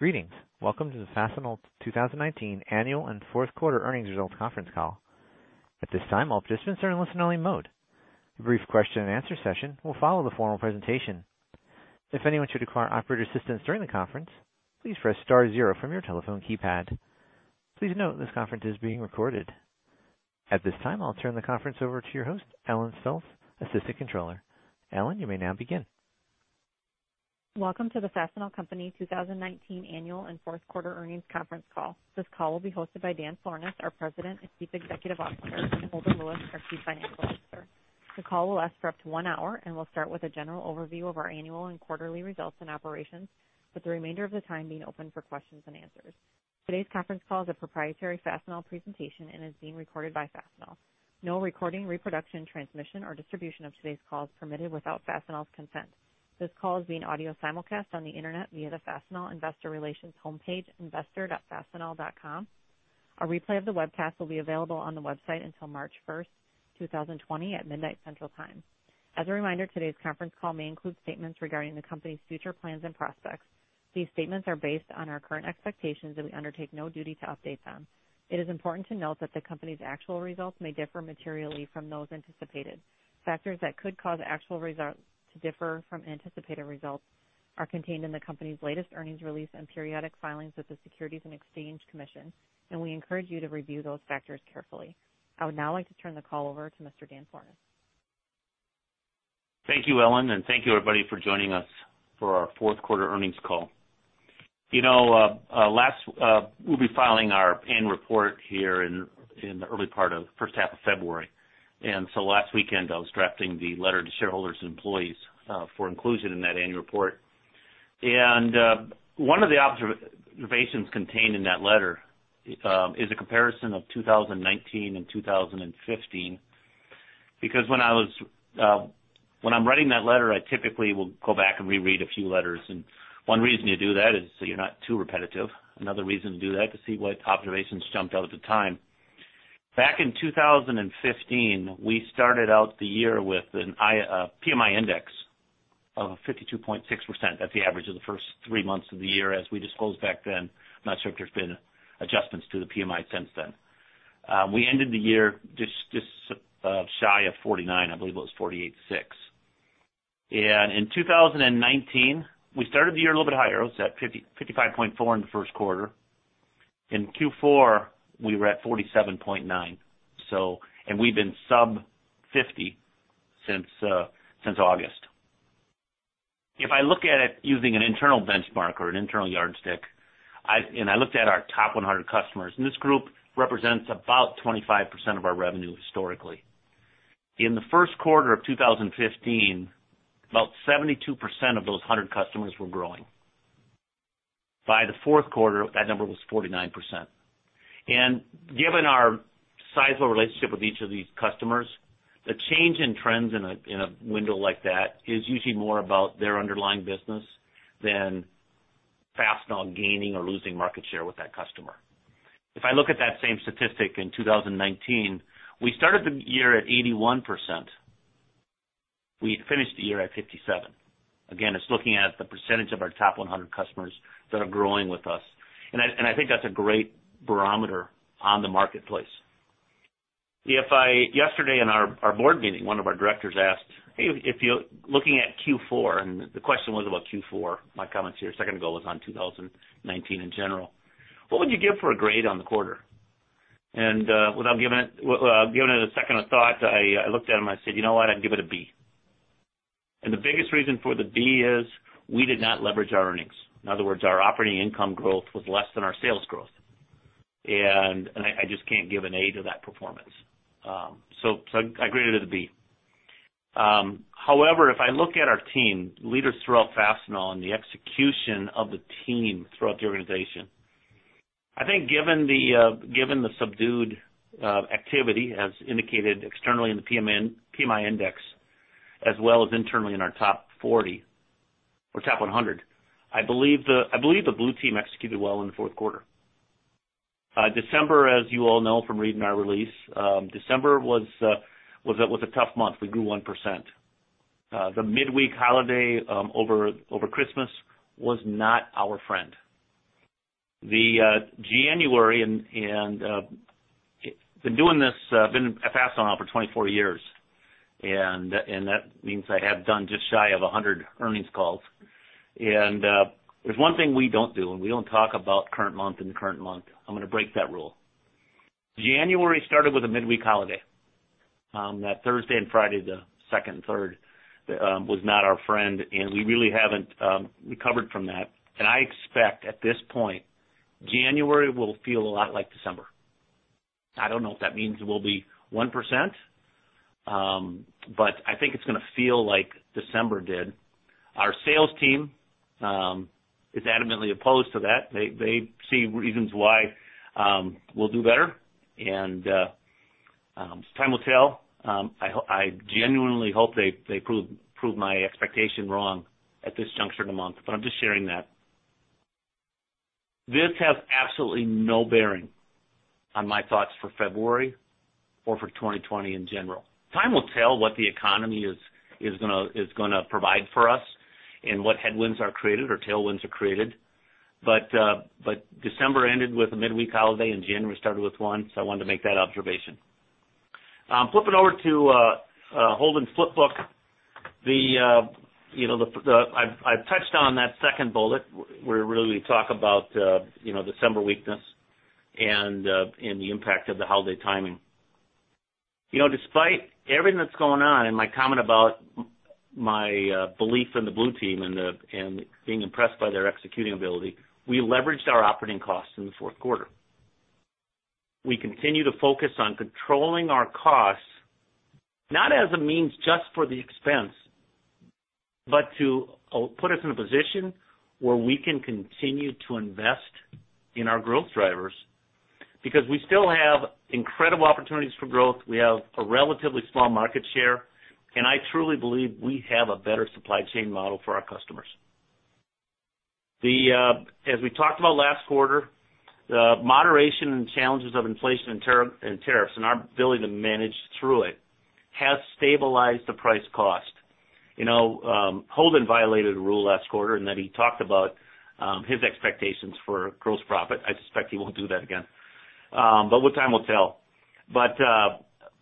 Greetings. Welcome to the Fastenal 2019 annual and fourth quarter earnings results conference call. At this time, all participants are in listen-only mode. A brief question and answer session will follow the formal presentation. If anyone should require operator assistance during the conference, please press star zero from your telephone keypad. Please note this conference is being recorded. At this time, I'll turn the conference over to your host, Ellen SoPha, Assistant Controller. Ellen, you may now begin. Welcome to the Fastenal Company 2019 annual and fourth quarter earnings conference call. This call will be hosted by Daniel Florness, our President and Chief Executive Officer, and Holden Lewis, our Chief Financial Officer. The call will last for up to one hour and will start with a general overview of our annual and quarterly results and operations, with the remainder of the time being open for questions and answers. Today's conference call is a proprietary Fastenal presentation and is being recorded by Fastenal. No recording, reproduction, transmission, or distribution of today's call is permitted without Fastenal's consent. This call is being audio simulcast on the internet via the Fastenal investor relations homepage, investor.fastenal.com. A replay of the webcast will be available on the website until March first, 2020, at midnight Central Time. As a reminder, today's conference call may include statements regarding the company's future plans and prospects. These statements are based on our current expectations that we undertake no duty to update them. It is important to note that the company's actual results may differ materially from those anticipated. Factors that could cause actual results to differ from anticipated results are contained in the company's latest earnings release and periodic filings with the Securities and Exchange Commission. We encourage you to review those factors carefully. I would now like to turn the call over to Mr. Daniel Florness. Thank you, Ellen, and thank you, everybody, for joining us for our fourth quarter earnings call. We'll be filing our annual report here in the early part of first half of February. Last weekend, I was drafting the letter to shareholders and employees for inclusion in that annual report. One of the observations contained in that letter is a comparison of 2019 and 2015. When I'm writing that letter, I typically will go back and reread a few letters. One reason you do that is so you're not too repetitive. Another reason to do that, to see what observations jumped out at the time. Back in 2015, we started out the year with a PMI index of 52.6%. That's the average of the first three months of the year, as we disclosed back then. I'm not sure if there's been adjustments to the PMI since then. We ended the year just shy of 49. I believe it was 48.6. In 2019, we started the year a little bit higher. It was at 55.4 in the first quarter. In Q4, we were at 47.9. We've been sub 50 since August. If I look at it using an internal benchmark or an internal yardstick, and I looked at our top 100 customers, and this group represents about 25% of our revenue historically. In the first quarter of 2015, about 72% of those 100 customers were growing. By the fourth quarter, that number was 49%. Given our sizable relationship with each of these customers, the change in trends in a window like that is usually more about their underlying business than Fastenal gaining or losing market share with that customer. If I look at that same statistic in 2019, we started the year at 81%. We finished the year at 57. Again, it's looking at the percentage of our top 100 customers that are growing with us, and I think that's a great barometer on the marketplace. Yesterday in our board meeting, one of our directors asked, "Hey, looking at Q4," and the question was about Q4. My comments here a second ago was on 2019 in general. "What would you give for a grade on the quarter?" Without giving it a second of thought, I looked at him, I said, "You know what? I'd give it a B." The biggest reason for the B is we did not leverage our earnings. In other words, our operating income growth was less than our sales growth, and I just can't give an A to that performance. I graded it a B. However, if I look at our team, leaders throughout Fastenal and the execution of the team throughout the organization, I think, given the subdued activity as indicated externally in the PMI index as well as internally in our top 40 or top 100, I believe the blue team executed well in the fourth quarter. December, as you all know from reading our release, December was a tough month. We grew 1%. The midweek holiday over Christmas was not our friend. Been at Fastenal for 24 years, and that means I have done just shy of 100 earnings calls. There's one thing we don't do, and we don't talk about current month in the current month. I'm going to break that rule. January started with a midweek holiday. That Thursday and Friday, the second and third, was not our friend, and we really haven't recovered from that. I expect at this point, January will feel a lot like December. I don't know if that means we'll be 1%, but I think it's going to feel like December did. Our sales team is adamantly opposed to that. They see reasons why we'll do better, and time will tell. I genuinely hope they prove my expectation wrong at this juncture in the month. I'm just sharing that. This has absolutely no bearing on my thoughts for February or for 2020 in general. Time will tell what the economy is going to provide for us and what headwinds are created or tailwinds are created. December ended with a midweek holiday and January started with one, so I wanted to make that observation. Flipping over to Holden's flip book. I've touched on that second bullet, where really we talk about December weakness and the impact of the holiday timing. Despite everything that's going on and my comment about my belief in the blue team and being impressed by their executing ability, we leveraged our operating costs in the fourth quarter. We continue to focus on controlling our costs, not as a means just for the expense, but to put us in a position where we can continue to invest in our growth drivers. Because we still have incredible opportunities for growth, we have a relatively small market share, and I truly believe we have a better supply chain model for our customers. As we talked about last quarter, the moderation and challenges of inflation and tariffs, and our ability to manage through it, has stabilized the price cost. Holden violated a rule last quarter in that he talked about his expectations for gross profit. I suspect he won't do that again. Time will tell.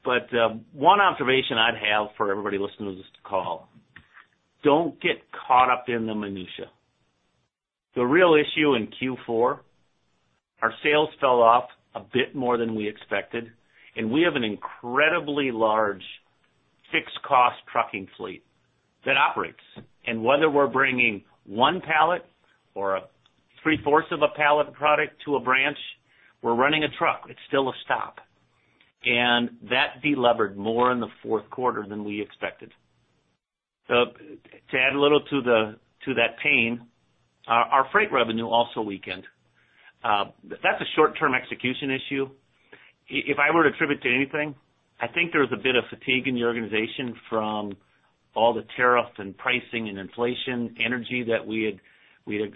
One observation I'd have for everybody listening to this call, don't get caught up in the minutia. The real issue in Q4, our sales fell off a bit more than we expected, and we have an incredibly large fixed cost trucking fleet that operates. Whether we're bringing one pallet or a three-fourths of a pallet of product to a branch, we're running a truck. It's still a stop. That delevered more in the fourth quarter than we expected. To add a little to that pain, our freight revenue also weakened. That's a short-term execution issue. If I were to attribute it to anything, I think there was a bit of fatigue in the organization from all the tariffs and pricing and inflation energy that we had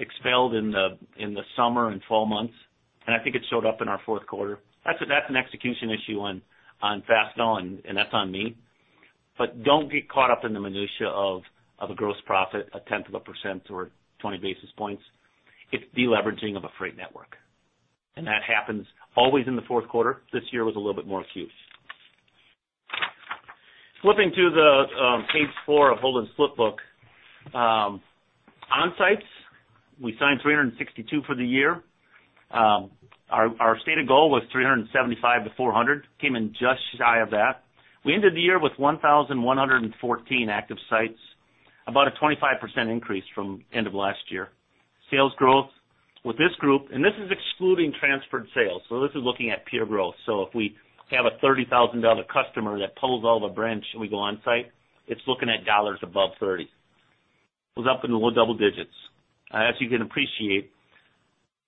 expelled in the summer and fall months, and I think it showed up in our fourth quarter. That's an execution issue on Fastenal, and that's on me. Don't get caught up in the minutia of a gross profit, a tenth of a % or 20 basis points. It's deleveraging of a freight network. That happens always in the fourth quarter. This year was a little bit more acute. Flipping to page four of Holden's flip book. On sites, we signed 362 for the year. Our stated goal was 375 to 400. Came in just shy of that. We ended the year with 1,114 active sites, about a 25% increase from end of last year. Sales growth with this group, this is excluding transferred sales, this is looking at pure growth. If we have a $30,000 customer that pulls all the branch and we go on site, it's looking at dollars above $30. It was up in the low double digits. As you can appreciate,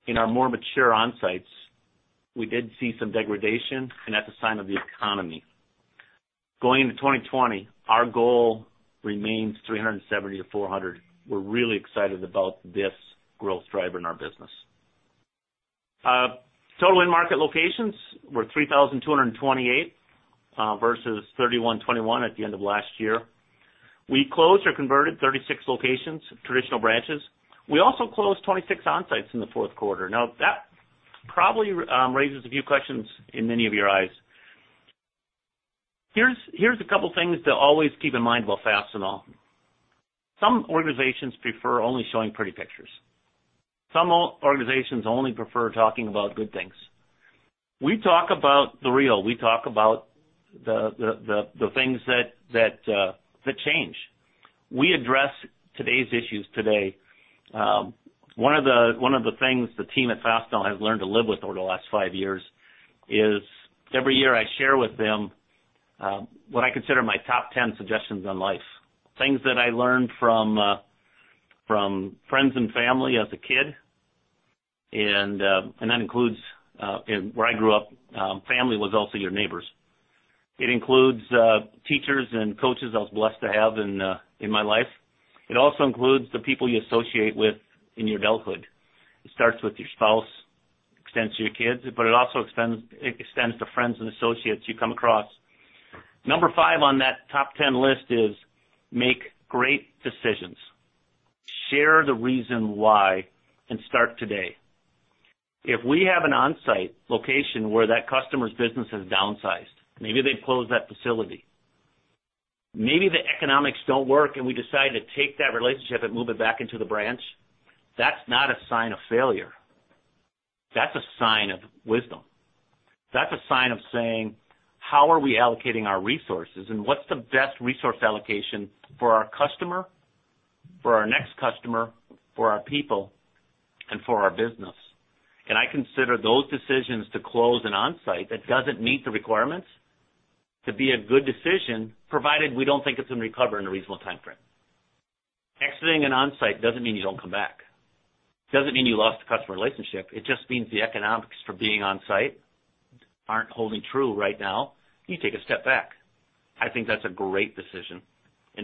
in our more mature on sites, we did see some degradation, that's a sign of the economy. Going into 2020, our goal remains 370 to 400. We're really excited about this growth driver in our business. Total end market locations were 3,228, versus 3,121 at the end of last year. We closed or converted 36 locations of traditional branches. We also closed 26 on sites in the fourth quarter. That probably raises a few questions in many of your eyes. Here's a couple things to always keep in mind about Fastenal. Some organizations prefer only showing pretty pictures. Some organizations only prefer talking about good things. We talk about the real, we talk about the things that change. We address today's issues today. One of the things the team at Fastenal has learned to live with over the last five years is every year I share with them what I consider my top 10 suggestions on life. Things that I learned from friends and family as a kid, and that includes where I grew up, family was also your neighbors. It includes teachers and coaches I was blessed to have in my life. It also includes the people you associate with in your adulthood. It starts with your spouse, extends to your kids, but it also extends to friends and associates you come across. Number 5 on that top 10 list is make great decisions. Share the reason why, and start today. If we have an on site location where that customer's business has downsized, maybe they closed that facility. Maybe the economics don't work and we decide to take that relationship and move it back into the branch. That's not a sign of failure. That's a sign of wisdom. That's a sign of saying, "How are we allocating our resources, and what's the best resource allocation for our customer, for our next customer, for our people, and for our business?" I consider those decisions to close an on site that doesn't meet the requirements to be a good decision, provided we don't think it's going to recover in a reasonable timeframe. Exiting an on site doesn't mean you don't come back. It doesn't mean you lost the customer relationship. It just means the economics for being on site aren't holding true right now. You take a step back. I think that's a great decision.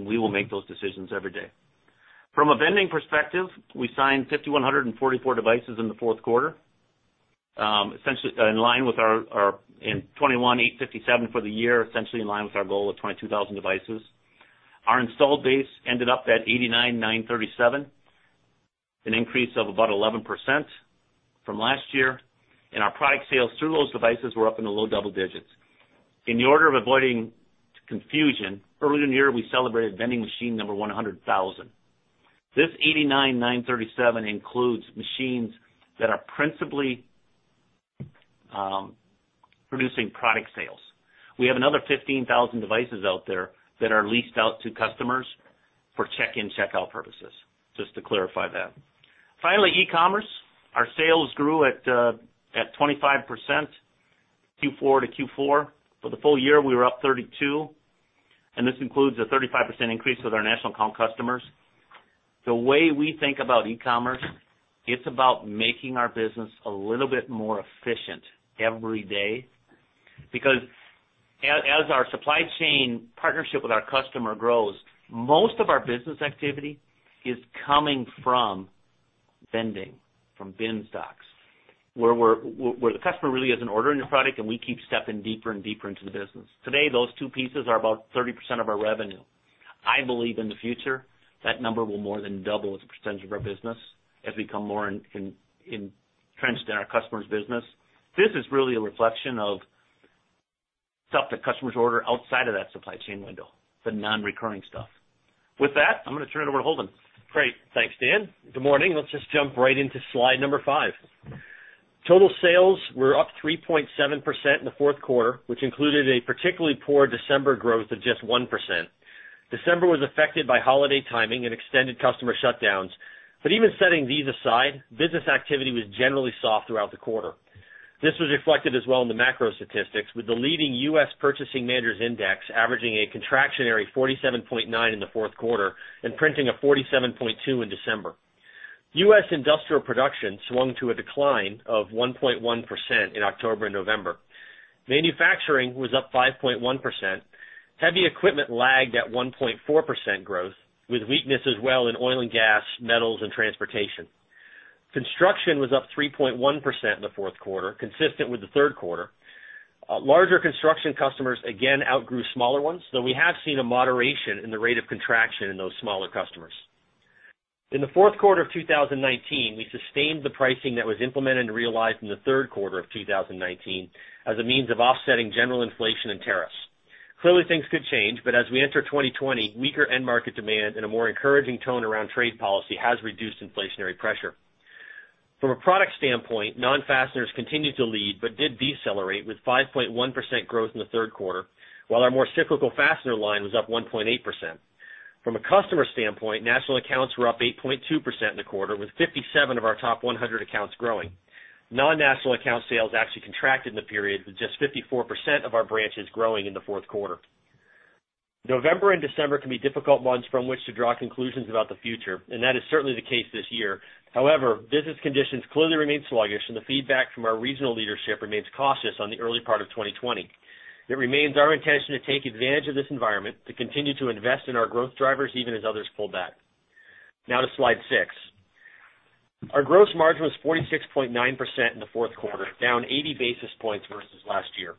We will make those decisions every day. From a vending perspective, we signed 5,144 devices in the fourth quarter, 21,857 for the year, essentially in line with our goal of 22,000 devices. Our installed base ended up at 89,937, an increase of about 11% from last year. Our product sales through those devices were up in the low double digits. In the order of avoiding confusion, earlier in the year, we celebrated vending machine number 100,000. This 89,937 includes machines that are principally producing product sales. We have another 15,000 devices out there that are leased out to customers for check-in, check-out purposes, just to clarify that. Finally, e-commerce, our sales grew at 25% Q4 to Q4. For the full year, we were up 32%, and this includes a 35% increase with our national account customers. The way we think about e-commerce, it's about making our business a little bit more efficient every day. Because as our supply chain partnership with our customer grows, most of our business activity is coming from vending, from bin stocks, where the customer really isn't ordering a product, and we keep stepping deeper and deeper into the business. Today, those two pieces are about 30% of our revenue. I believe in the future, that number will more than double as a percentage of our business as we become more entrenched in our customers' business. This is really a reflection of stuff that customers order outside of that supply chain window, the non-recurring stuff. With that, I'm going to turn it over to Holden. Great. Thanks, Dan. Good morning. Let's just jump right into slide number 5. Total sales were up 3.7% in the fourth quarter, which included a particularly poor December growth of just 1%. December was affected by holiday timing and extended customer shutdowns. Even setting these aside, business activity was generally soft throughout the quarter. This was reflected as well in the macro statistics, with the leading U.S. Purchasing Managers' Index averaging a contractionary 47.9 in the fourth quarter and printing a 47.2 in December. U.S. industrial production swung to a decline of 1.1% in October and November. Manufacturing was up 5.1%. Heavy equipment lagged at 1.4% growth, with weakness as well in oil and gas, metals, and transportation. Construction was up 3.1% in the fourth quarter, consistent with the third quarter. Larger construction customers again outgrew smaller ones, though we have seen a moderation in the rate of contraction in those smaller customers. In the fourth quarter of 2019, we sustained the pricing that was implemented and realized in the third quarter of 2019 as a means of offsetting general inflation and tariffs. Clearly things could change, but as we enter 2020, weaker end-market demand and a more encouraging tone around trade policy has reduced inflationary pressure. From a product standpoint, non-fasteners continued to lead but did decelerate with 5.1% growth in the third quarter, while our more cyclical fastener line was up 1.8%. From a customer standpoint, national accounts were up 8.2% in the quarter, with 57 of our top 100 accounts growing. Non-national account sales actually contracted in the period, with just 54% of our branches growing in the fourth quarter. November and December can be difficult months from which to draw conclusions about the future, and that is certainly the case this year. Business conditions clearly remain sluggish, and the feedback from our regional leadership remains cautious on the early part of 2020. It remains our intention to take advantage of this environment to continue to invest in our growth drivers, even as others pull back. To slide six. Our gross margin was 46.9% in the fourth quarter, down 80 basis points versus last year.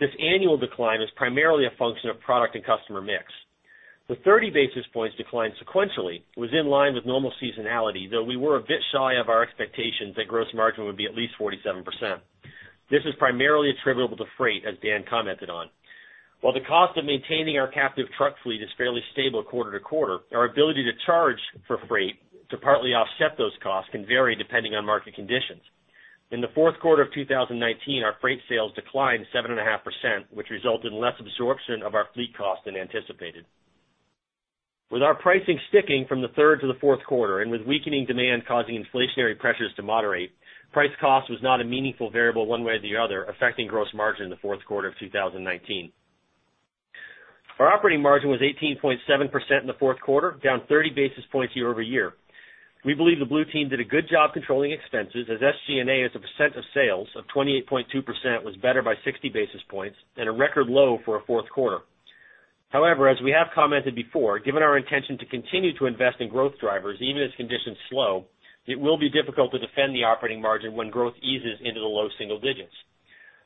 This annual decline is primarily a function of product and customer mix. The 30 basis points decline sequentially was in line with normal seasonality, though we were a bit shy of our expectations that gross margin would be at least 47%. This is primarily attributable to freight, as Dan commented on. While the cost of maintaining our captive truck fleet is fairly stable quarter-to-quarter, our ability to charge for freight to partly offset those costs can vary depending on market conditions. In the fourth quarter of 2019, our freight sales declined 7.5%, which resulted in less absorption of our fleet cost than anticipated. With our pricing sticking from the third to the fourth quarter and with weakening demand causing inflationary pressures to moderate, price cost was not a meaningful variable one way or the other, affecting gross margin in the fourth quarter of 2019. Our operating margin was 18.7% in the fourth quarter, down 30 basis points year-over-year. We believe the blue team did a good job controlling expenses as SG&A as a percent of sales of 28.2% was better by 60 basis points and a record low for a fourth quarter. As we have commented before, given our intention to continue to invest in growth drivers, even as conditions slow, it will be difficult to defend the operating margin when growth eases into the low single digits.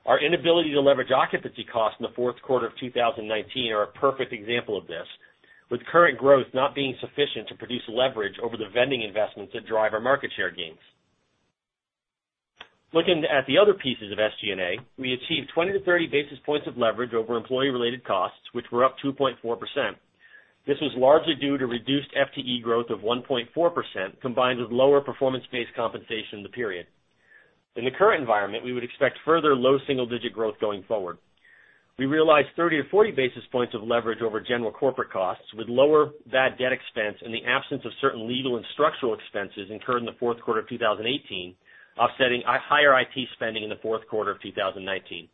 Our inability to leverage occupancy costs in the fourth quarter of 2019 are a perfect example of this, with current growth not being sufficient to produce leverage over the vending investments that drive our market share gains. Looking at the other pieces of SG&A, we achieved 20-30 basis points of leverage over employee-related costs, which were up 2.4%. This was largely due to reduced FTE growth of 1.4%, combined with lower performance-based compensation in the period. In the current environment, we would expect further low single-digit growth going forward. We realized 30 or 40 basis points of leverage over general corporate costs, with lower bad debt expense and the absence of certain legal and structural expenses incurred in the fourth quarter of 2018, offsetting higher IT spending in the fourth quarter of 2019.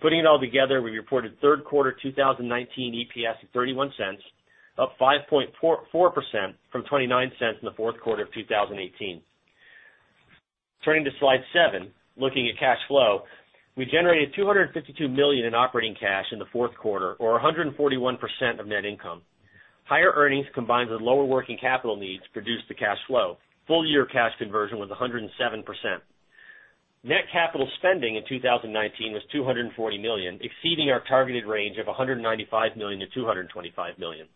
Putting it all together, we reported third quarter 2019 EPS of $0.31, up 5.4% from $0.29 in the fourth quarter of 2018. Turning to slide seven, looking at cash flow. We generated $252 million in operating cash in the fourth quarter, or 141% of net income. Higher earnings combined with lower working capital needs produced the cash flow. Full year cash conversion was 107%. Net capital spending in 2019 was $240 million, exceeding our targeted range of $195 million to $225 million.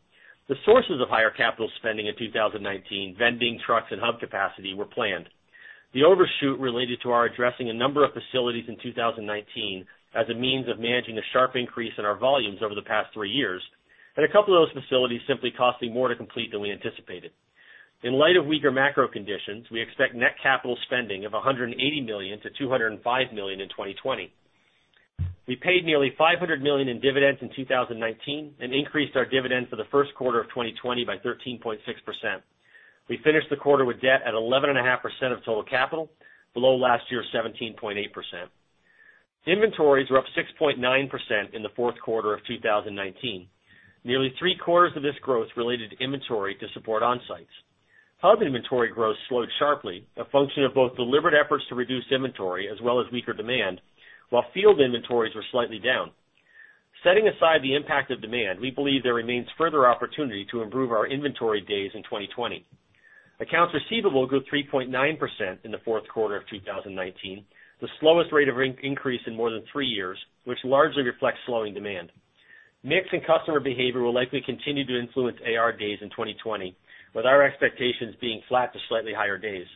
The sources of higher capital spending in 2019, vending trucks and hub capacity, were planned. The overshoot related to our addressing a number of facilities in 2019 as a means of managing a sharp increase in our volumes over the past three years, and a couple of those facilities simply costing more to complete than we anticipated. In light of weaker macro conditions, we expect net capital spending of $180 million-$205 million in 2020. We paid nearly $500 million in dividends in 2019, and increased our dividends for the first quarter of 2020 by 13.6%. We finished the quarter with debt at 11.5% of total capital, below last year's 17.8%. Inventories were up 6.9% in the fourth quarter of 2019. Nearly three-quarters of this growth related to inventory to support onsites. Hub inventory growth slowed sharply, a function of both deliberate efforts to reduce inventory as well as weaker demand, while field inventories were slightly down. Setting aside the impact of demand, we believe there remains further opportunity to improve our inventory days in 2020. Accounts receivable grew 3.9% in the fourth quarter of 2019, the slowest rate of increase in more than three years, which largely reflects slowing demand. Mix and customer behavior will likely continue to influence AR days in 2020, with our expectations being flat to slightly higher days.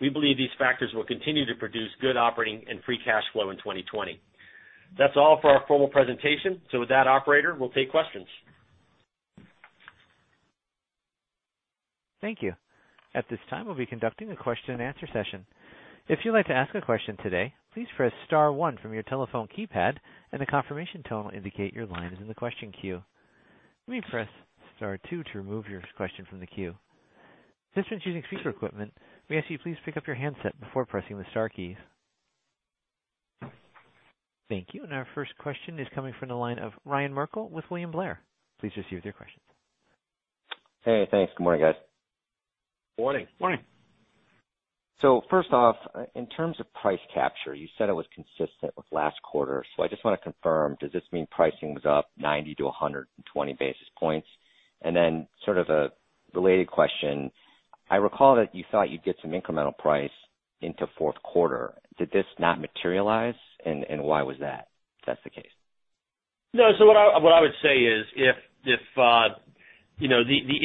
We believe these factors will continue to produce good operating and free cash flow in 2020. That's all for our formal presentation. With that, operator, we'll take questions. Thank you. At this time, we'll be conducting a question and answer session. If you'd like to ask a question today, please press *1 from your telephone keypad and a confirmation tone will indicate your line is in the question queue. You may press *2 to remove your question from the queue. Participants using speaker equipment, we ask you please pick up your handset before pressing the star keys. Thank you. Our first question is coming from the line of Ryan Merkel with William Blair. Please proceed with your questions. Hey, thanks. Good morning, guys. Morning. Morning. First off, in terms of price capture, you said it was consistent with last quarter. I just want to confirm, does this mean pricing was up 90 to 120 basis points? Then sort of a related question. I recall that you thought you'd get some incremental price into fourth quarter. Did this not materialize? Why was that, if that's the case? No. What I would say is, the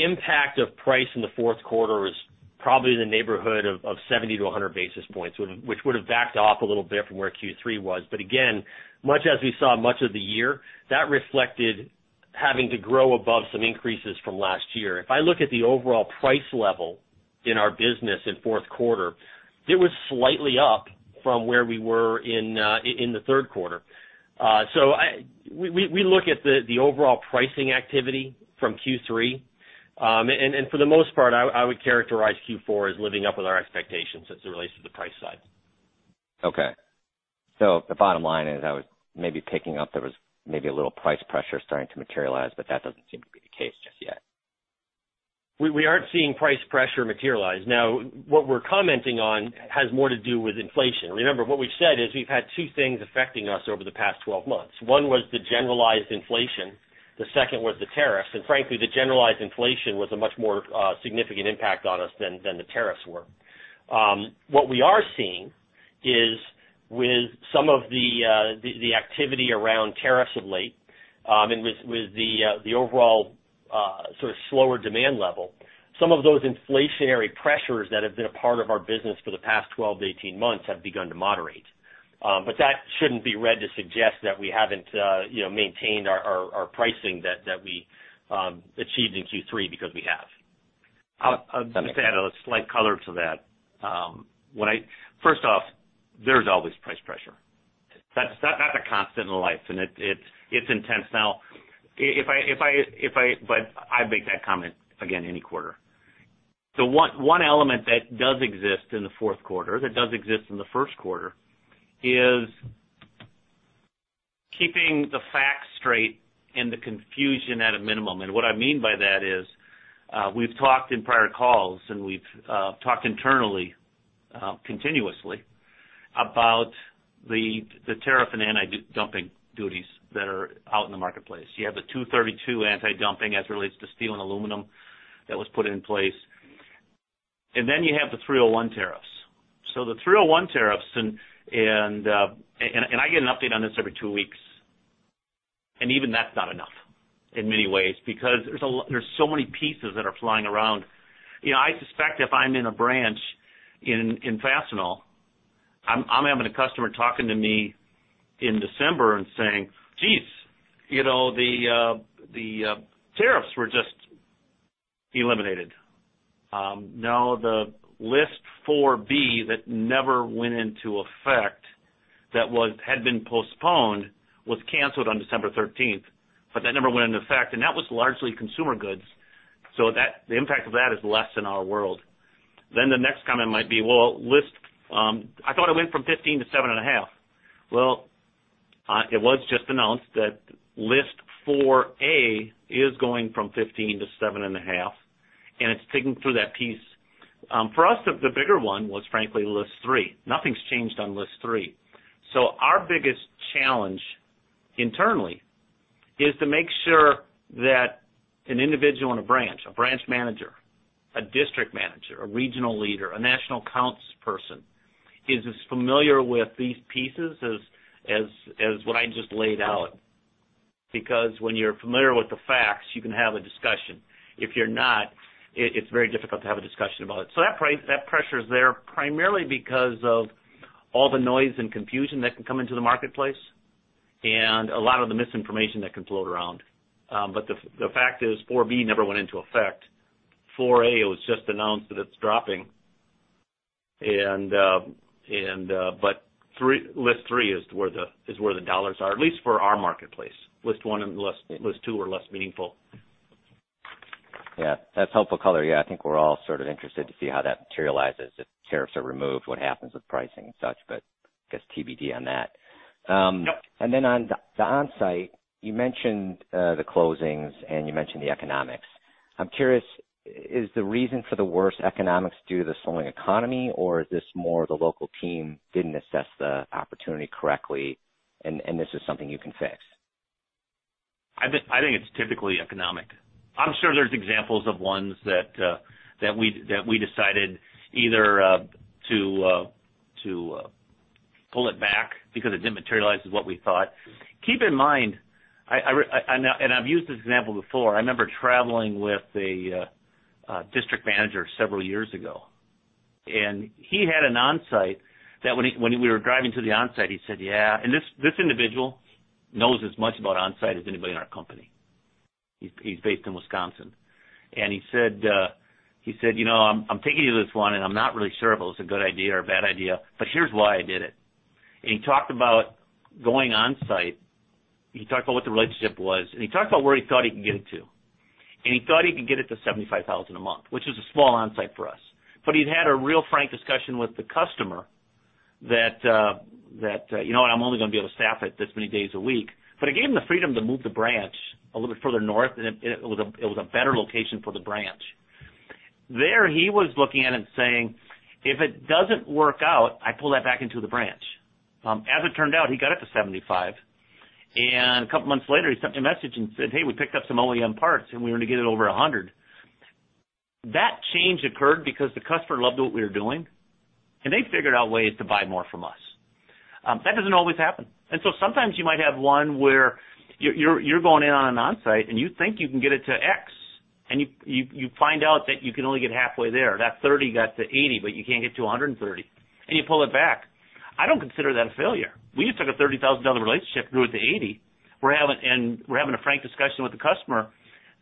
impact of price in the fourth quarter is probably in the neighborhood of 70-100 basis points, which would have backed off a little bit from where Q3 was. Again, much as we saw much of the year, that reflected having to grow above some increases from last year. If I look at the overall price level in our business in fourth quarter, it was slightly up from where we were in the third quarter. We look at the overall pricing activity from Q3. For the most part, I would characterize Q4 as living up with our expectations as it relates to the price side. Okay. The bottom line is I was maybe picking up there was maybe a little price pressure starting to materialize, but that doesn't seem to be the case just yet. We aren't seeing price pressure materialize. What we're commenting on has more to do with inflation. Remember, what we've said is we've had two things affecting us over the past 12 months. One was the generalized inflation, the second was the tariffs. Frankly, the generalized inflation was a much more significant impact on us than the tariffs were. What we are seeing is with some of the activity around tariffs of late, and with the overall sort of slower demand level, some of those inflationary pressures that have been a part of our business for the past 12 to 18 months have begun to moderate. That shouldn't be read to suggest that we haven't maintained our pricing that we achieved in Q3, because we have. Understood. I'll add a slight color to that. First off, there's always price pressure. That's a constant in life, and it's intense now. I make that comment again any quarter. One element that does exist in the fourth quarter, that does exist in the first quarter, is keeping the facts straight and the confusion at a minimum. What I mean by that is, we've talked in prior calls and we've talked internally, continuously about the tariff and anti-dumping duties that are out in the marketplace. You have the 232 anti-dumping as it relates to steel and aluminum that was put in place. Then you have the 301 tariffs. The 301 tariffs, and I get an update on this every two weeks, and even that's not enough in many ways, because there's so many pieces that are flying around. I suspect if I'm in a branch in Fastenal, I'm having a customer talking to me in December and saying, "Geez, the tariffs were just eliminated." Now, the List 4B that never went into effect, that had been postponed, was canceled on December 13th, but that never went into effect, and that was largely consumer goods. The impact of that is less in our world. The next comment might be, "Well, I thought it went from 15 to seven and a half." Well, it was just announced that List 4A is going from 15 to seven and a half, and it's ticking through that piece. For us, the bigger one was frankly List 3. Nothing's changed on List 3. Our biggest challenge internally is to make sure that an individual in a branch, a branch manager, a district manager, a regional leader, a national accounts person, is as familiar with these pieces as what I just laid out. When you're familiar with the facts, you can have a discussion. If you're not, it's very difficult to have a discussion about it. That pressure is there primarily because of all the noise and confusion that can come into the marketplace and a lot of the misinformation that can float around. The fact is, 4B never went into effect. 4A, it was just announced that it's dropping. List 3 is where the dollars are, at least for our marketplace. List 1 and List 2 are less meaningful. That's helpful color. I think we're all sort of interested to see how that materializes. If tariffs are removed, what happens with pricing and such, but I guess TBD on that. Yep. Then on the Onsite, you mentioned the closings and you mentioned the economics. I'm curious, is the reason for the worse economics due to the slowing economy, or is this more the local team didn't assess the opportunity correctly and this is something you can fix? I think it's typically economic. I'm sure there's examples of ones that we decided either to pull it back because it didn't materialize as what we thought. Keep in mind, I've used this example before, I remember traveling with a district manager several years ago, and he had an onsite that when we were driving to the onsite, he said, "Yeah." This individual knows as much about onsite as anybody in our company. He's based in Wisconsin. He said, "I'm taking you to this one, I'm not really sure if it was a good idea or a bad idea, here's why I did it." He talked about going on-site. He talked about what the relationship was, he talked about where he thought he could get it to. He thought he could get it to $75,000 a month, which is a small onsite for us. He'd had a real frank discussion with the customer that, "You know what? I'm only going to be able to staff it this many days a week." It gave him the freedom to move the branch a little bit further north, and it was a better location for the branch. There, he was looking at it and saying, "If it doesn't work out, I pull that back into the branch." As it turned out, he got it to $75, and a couple of months later, he sent me a message and said, "Hey, we picked up some OEM parts, and we're going to get it over $100." That change occurred because the customer loved what we were doing, and they figured out ways to buy more from us. That doesn't always happen. Sometimes you might have one where you're going in on an onsite and you think you can get it to X, and you find out that you can only get halfway there. That 30 got to 80, but you can't get to 130, and you pull it back. I don't consider that a failure. We just took a $30,000 relationship, grew it to $80. We're having a frank discussion with the customer.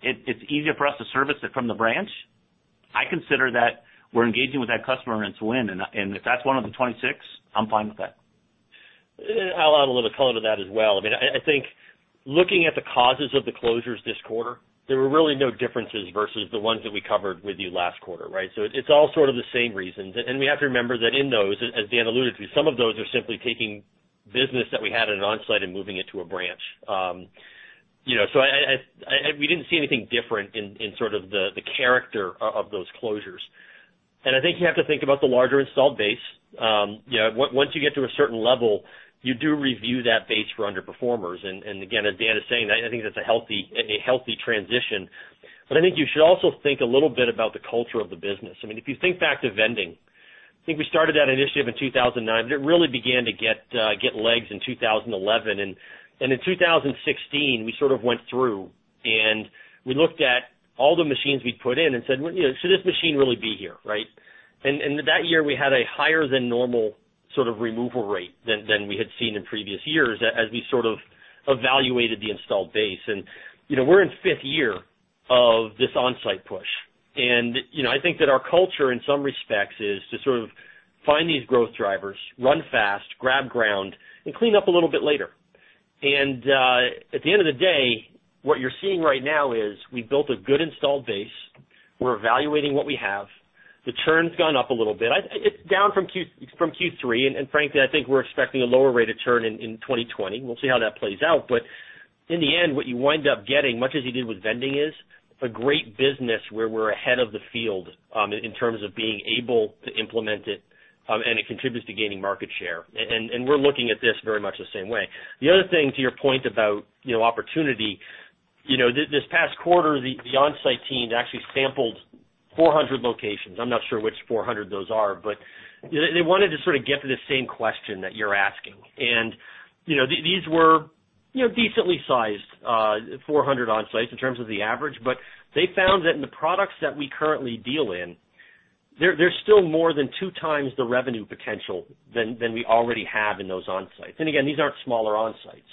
It's easier for us to service it from the branch. I consider that we're engaging with that customer and it's a win, and if that's one of the 26, I'm fine with that. I'll add a little color to that as well. I think looking at the causes of the closures this quarter, there were really no differences versus the ones that we covered with you last quarter, right? It's all sort of the same reasons. We have to remember that in those, as Dan alluded to, some of those are simply taking business that we had at an onsite and moving it to a branch. We didn't see anything different in sort of the character of those closures. I think you have to think about the larger installed base. Once you get to a certain level, you do review that base for underperformers. Again, as Dan is saying, I think that's a healthy transition. I think you should also think a little bit about the culture of the business. If you think back to vending, I think we started that initiative in 2009, but it really began to get legs in 2011. In 2016, we sort of went through, and we looked at all the machines we'd put in and said, "Should this machine really be here?" Right? That year, we had a higher than normal sort of removal rate than we had seen in previous years as we sort of evaluated the installed base. We're in fifth year of this onsite push. I think that our culture, in some respects, is to sort of find these growth drivers, run fast, grab ground, and clean up a little bit later. At the end of the day, what you're seeing right now is we built a good installed base. We're evaluating what we have. The churn's gone up a little bit. It's down from Q3, and frankly, I think we're expecting a lower rate of churn in 2020. We'll see how that plays out. In the end, what you wind up getting, much as you did with vending, is a great business where we're ahead of the field in terms of being able to implement it, and it contributes to gaining market share. We're looking at this very much the same way. The other thing, to your point about opportunity, this past quarter, the onsite team actually sampled 400 locations. I'm not sure which 400 those are, but they wanted to sort of get to the same question that you're asking. These were decently sized, 400 onsites in terms of the average, but they found that in the products that we currently deal in, there's still more than two times the revenue potential than we already have in those onsites. Again, these aren't smaller onsites.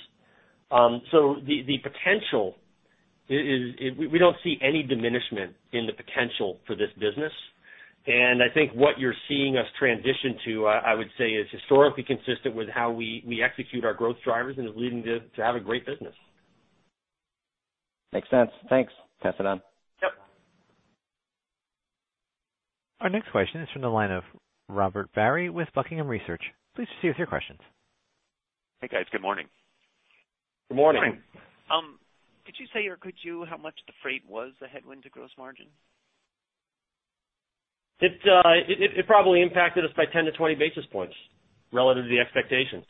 The potential is we don't see any diminishment in the potential for this business. I think what you're seeing us transition to, I would say, is historically consistent with how we execute our growth drivers and is leading to have a great business. Makes sense. Thanks. Pass it on. Yep. Our next question is from the line of Robert Barry with Buckingham Research. Please proceed with your questions. Hey, guys. Good morning. Good morning. Could you say how much the freight was the headwind to gross margin? It probably impacted us by 10 to 20 basis points relative to the expectations.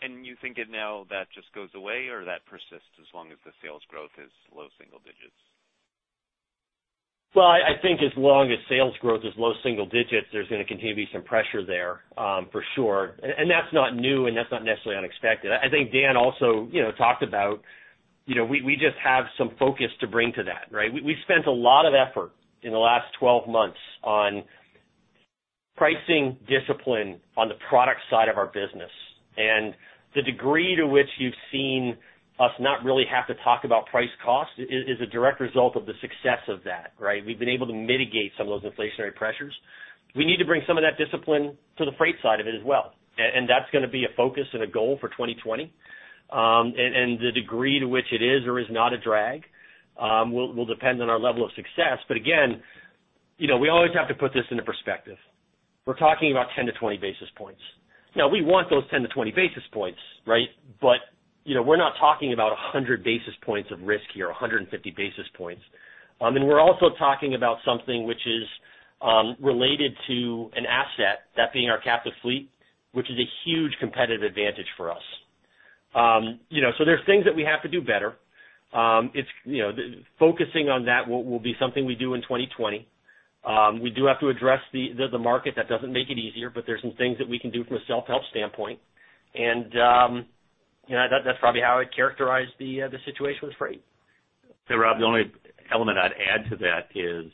You think now that just goes away, or that persists as long as the sales growth is low single digits? I think as long as sales growth is low single digits, there's going to continue to be some pressure there for sure. That's not new, and that's not necessarily unexpected. I think Dan also talked about we just have some focus to bring to that, right? We spent a lot of effort in the last 12 months on pricing discipline on the product side of our business. The degree to which you've seen us not really have to talk about price cost is a direct result of the success of that, right? We've been able to mitigate some of those inflationary pressures. We need to bring some of that discipline to the freight side of it as well. That's going to be a focus and a goal for 2020. The degree to which it is or is not a drag will depend on our level of success. Again, we always have to put this into perspective. We're talking about 10 to 20 basis points. Now, we want those 10 to 20 basis points. We're not talking about 100 basis points of risk here, or 150 basis points. We're also talking about something which is related to an asset, that being our captive fleet, which is a huge competitive advantage for us. There's things that we have to do better. Focusing on that will be something we do in 2020. We do have to address the market. That doesn't make it easier, but there's some things that we can do from a self-help standpoint. That's probably how I'd characterize the situation with freight. Hey, Rob. The only element I'd add to that is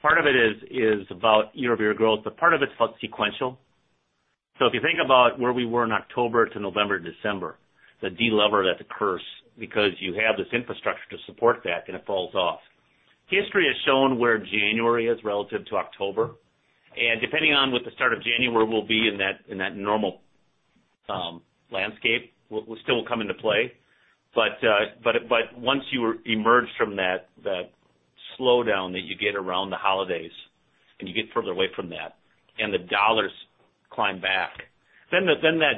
part of it is about year-over-year growth, part of it's about sequential. If you think about where we were in October to November, December, the de-lever that occurs because you have this infrastructure to support that, it falls off. History has shown where January is relative to October, depending on what the start of January will be in that normal landscape will still come into play. Once you emerge from that slowdown that you get around the holidays and you get further away from that and the dollars climb back, that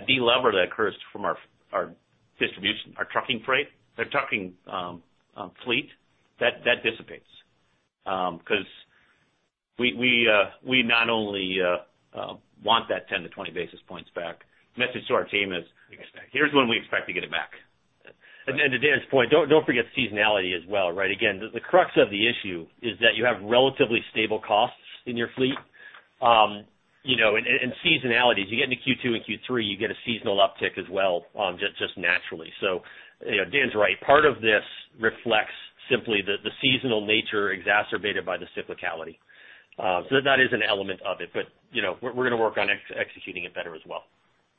de-lever that occurs from our distribution, our trucking freight, our trucking fleet, that dissipates. We not only want that 10-20 basis points back. We expect. here's when we expect to get it back. To Dan's point, don't forget seasonality as well, right? Again, the crux of the issue is that you have relatively stable costs in your fleet. Seasonality, as you get into Q2 and Q3, you get a seasonal uptick as well, just naturally. Dan's right. Part of this reflects simply the seasonal nature exacerbated by the cyclicality. That is an element of it, but we're going to work on executing it better as well.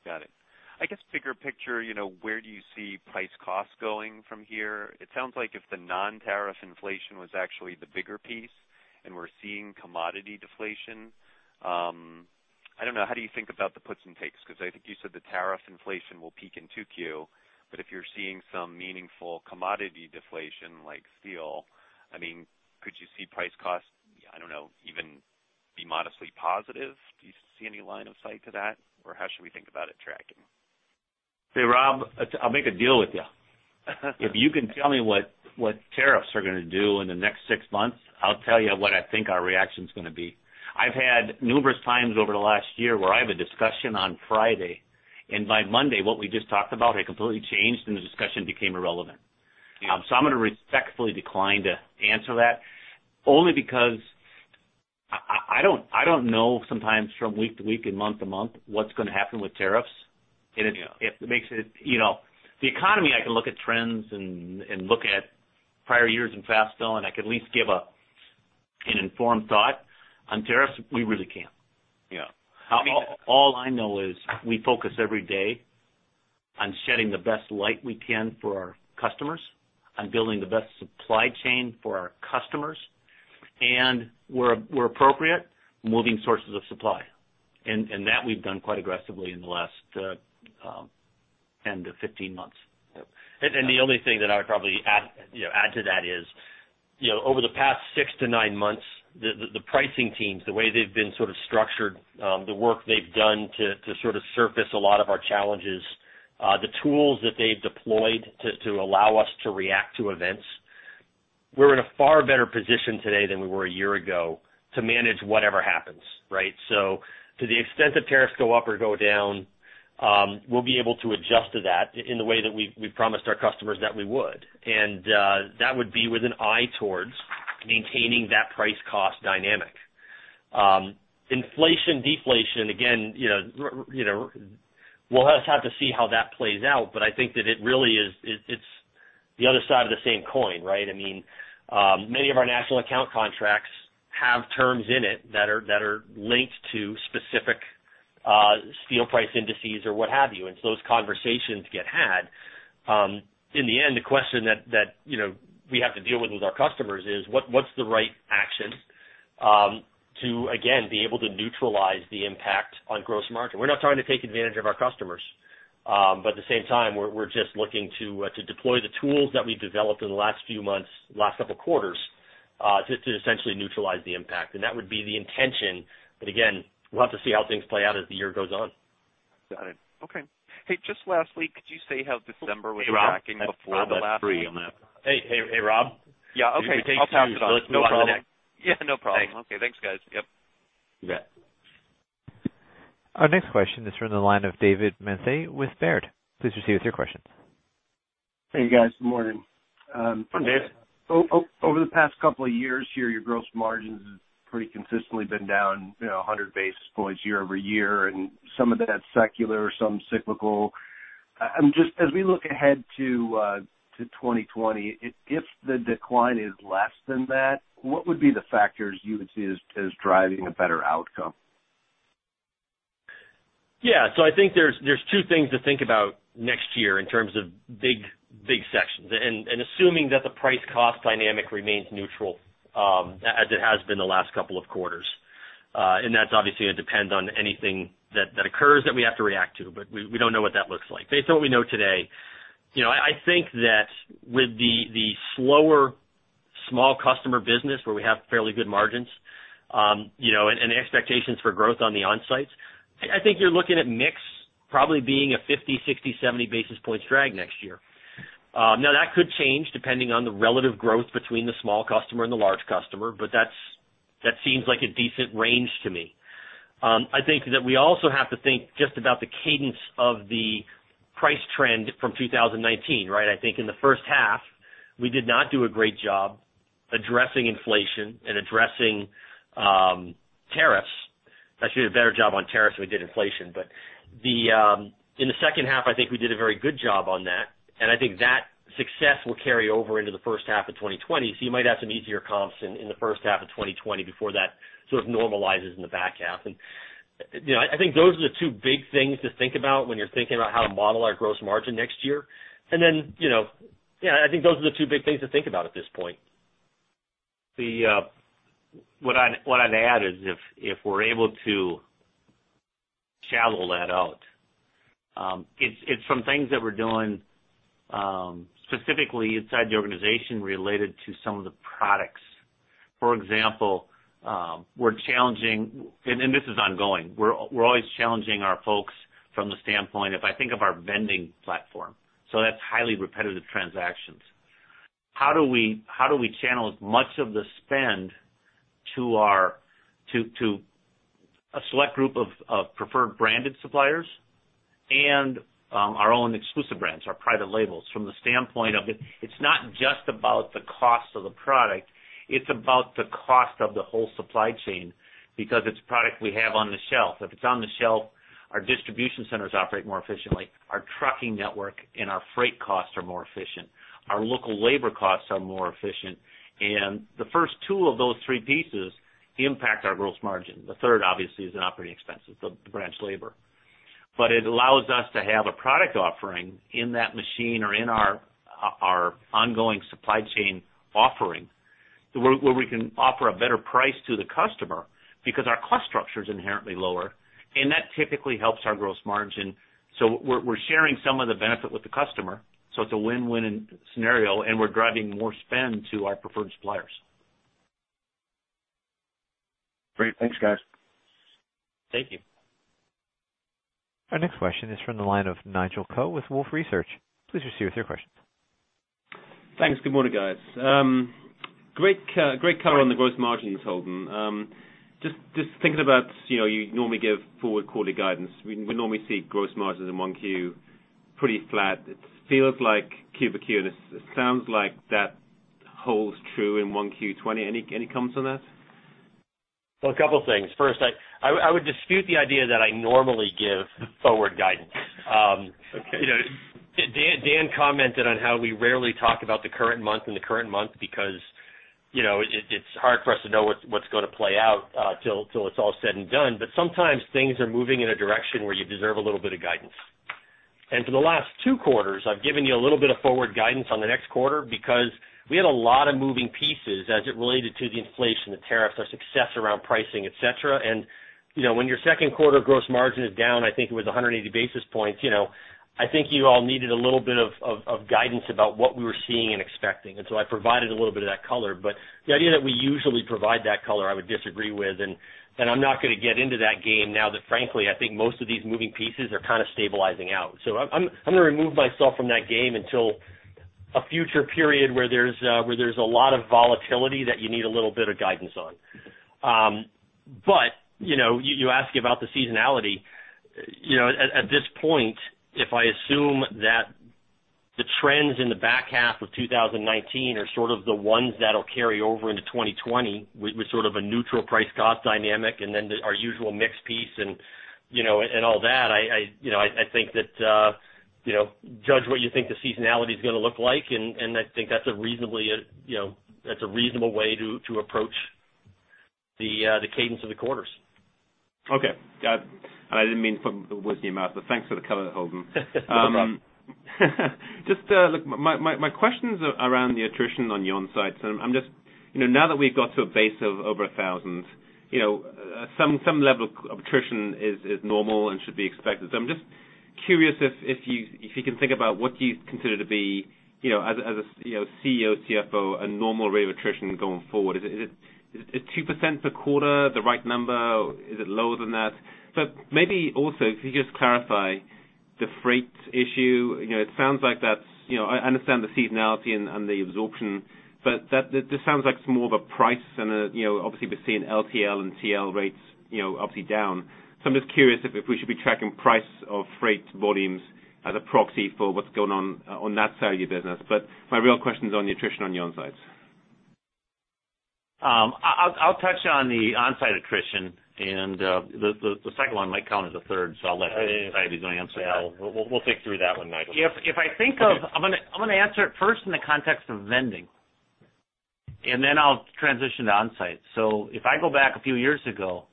Got it. I guess bigger picture, where do you see price cost going from here? It sounds like if the non-tariff inflation was actually the bigger piece and we're seeing commodity deflation, I don't know, how do you think about the puts and takes? I think you said the tariff inflation will peak in 2Q, but if you're seeing some meaningful commodity deflation like steel, could you see price cost, I don't know, even be modestly positive? Do you see any line of sight to that? How should we think about it tracking? Hey, Rob, I'll make a deal with you. If you can tell me what tariffs are going to do in the next six months, I'll tell you what I think our reaction's going to be. I've had numerous times over the last year where I have a discussion on Friday. By Monday, what we just talked about had completely changed, and the discussion became irrelevant. Yeah. I'm going to respectfully decline to answer that, only because I don't know sometimes from week to week and month to month what's going to happen with tariffs. Yeah. The economy, I can look at trends and look at prior years in Fastenal, and I can at least give an informed thought. On tariffs, we really can't. Yeah. All I know is we focus every day on shedding the best light we can for our customers, on building the best supply chain for our customers, and where appropriate, moving sources of supply. That we've done quite aggressively in the last 10 to 15 months. Yeah. The only thing that I would probably add to that is, over the past 6 to 9 months, the pricing teams, the way they've been sort of structured, the work they've done to sort of surface a lot of our challenges, the tools that they've deployed to allow us to react to events, we're in a far better position today than we were a year ago to manage whatever happens, right? To the extent that tariffs go up or go down, we'll be able to adjust to that in the way that we promised our customers that we would, and that would be with an eye towards maintaining that price cost dynamic. Inflation, deflation, again, we'll just have to see how that plays out, but I think that it really is the other side of the same coin, right? Many of our national account contracts have terms in it that are linked to specific steel price indices or what have you. Those conversations get had. In the end, the question that we have to deal with our customers is, what's the right action to, again, be able to neutralize the impact on gross margin? We're not trying to take advantage of our customers. At the same time, we're just looking to deploy the tools that we've developed in the last few months, last couple of quarters, to essentially neutralize the impact. That would be the intention. Again, we'll have to see how things play out as the year goes on. Got it. Okay. Hey, just lastly, could you say how December was tracking before the last- Hey, Rob? I have about three on that. Hey, Rob? Yeah. Okay. I'll pass it on. Can you take two? No problem. Yeah, no problem. Thanks. Okay. Thanks, guys. Yep. You bet. Our next question is from the line of David Manthey with Baird. Please proceed with your questions. Hey, guys. Good morning. Hi, Dave. Over the past couple of years here, your gross margins have pretty consistently been down 100 basis points year-over-year, and some of that's secular, some cyclical. As we look ahead to 2020, if the decline is less than that, what would be the factors you would see as driving a better outcome? I think there's two things to think about next year in terms of big sections, and assuming that the price-cost dynamic remains neutral, as it has been the last couple of quarters. That's obviously going to depend on anything that occurs that we have to react to, but we don't know what that looks like. Based on what we know today, I think that with the slower small customer business where we have fairly good margins, and the expectations for growth on the onsites, I think you're looking at mix probably being a 50, 60, 70 basis points drag next year. That could change depending on the relative growth between the small customer and the large customer, that seems like a decent range to me. I think that we also have to think just about the cadence of the price trend from 2019. I think in the first half, we did not do a great job addressing inflation and addressing tariffs. Actually, a better job on tariffs than we did inflation. In the second half, I think we did a very good job on that, and I think that success will carry over into the first half of 2020. You might have some easier comps in the first half of 2020 before that sort of normalizes in the back half. I think those are the two big things to think about when you're thinking about how to model our gross margin next year. Yeah, I think those are the two big things to think about at this point. What I'd add is if we're able to channel that out, it's from things that we're doing specifically inside the organization related to some of the products. For example, we're challenging, and this is ongoing. We're always challenging our folks from the standpoint, if I think of our vending platform. That's highly repetitive transactions. How do we channel as much of the spend to a select group of preferred branded suppliers and our own exclusive brands, our private labels, from the standpoint of it's not just about the cost of the product, it's about the cost of the whole supply chain because it's product we have on the shelf. If it's on the shelf, our distribution centers operate more efficiently. Our trucking network and our freight costs are more efficient. Our local labor costs are more efficient. The first two of those three pieces impact our gross margin. The third, obviously, is an operating expense. It's the branch labor. It allows us to have a product offering in that machine or in our ongoing supply chain offering where we can offer a better price to the customer because our cost structure is inherently lower, and that typically helps our gross margin. We're sharing some of the benefit with the customer. It's a win-win scenario, and we're driving more spend to our preferred suppliers. Great. Thanks, guys. Thank you. Our next question is from the line of Nigel Coe with Wolfe Research. Please proceed with your questions. Thanks. Good morning, guys. Great color on the gross margins, Holden. Just thinking about you normally give forward quarterly guidance. We normally see gross margins in 1Q pretty flat. It feels like Q over Q, and it sounds like that holds true in 1Q '20. Any comments on that? Well, a couple of things. First, I would dispute the idea that I normally give forward guidance. Okay. Dan commented on how we rarely talk about the current month in the current month because it's hard for us to know what's going to play out till it's all said and done. Sometimes things are moving in a direction where you deserve a little bit of guidance. For the last two quarters, I've given you a little bit of forward guidance on the next quarter because we had a lot of moving pieces as it related to the inflation, the tariffs, our success around pricing, et cetera. When your second quarter gross margin is down, I think it was 180 basis points, I think you all needed a little bit of guidance about what we were seeing and expecting. I provided a little bit of that color. The idea that we usually provide that color, I would disagree with, and I'm not going to get into that game now that frankly, I think most of these moving pieces are kind of stabilizing out. I'm going to remove myself from that game until a future period where there's a lot of volatility that you need a little bit of guidance on. You ask about the seasonality. At this point, if I assume that the trends in the back half of 2019 are sort of the ones that'll carry over into 2020 with sort of a neutral price-cost dynamic and then our usual mix piece and all that, I think that judge what you think the seasonality is going to look like, and I think that's a reasonable way to approach the cadence of the quarters. Okay. I didn't mean to put words in your mouth, but thanks for the color, Holden. No problem. My question is around the attrition on your on-sites. Now that we've got to a base of over 1,000, some level of attrition is normal and should be expected. I'm just curious if you can think about what you consider to be, as a CEO, CFO, a normal rate of attrition going forward. Is 2% per quarter the right number, or is it lower than that? Maybe also, if you could just clarify the freight issue. I understand the seasonality and the absorption, but that just sounds like it's more of a price and obviously we're seeing LTL and TL rates obviously down. I'm just curious if we should be tracking price of freight volumes as a proxy for what's going on that side of your business. My real question is on the attrition on the on-sites. I'll touch on the on-site attrition, and the second one might count as a third, so I'll let Bobby go ahead and answer that. We'll think through that one, Nigel. I'm going to answer it first in the context of vending, then I'll transition to on-site. If I go back a few years ago,